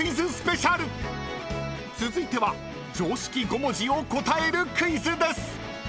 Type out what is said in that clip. ［続いては常識５文字を答えるクイズです］